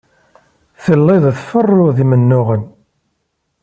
Telliḍ tferruḍ imennuɣen.